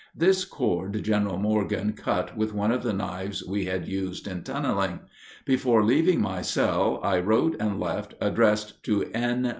This cord General Morgan cut with one of the knives we had used in tunneling. Before leaving my cell I wrote and left, addressed to N.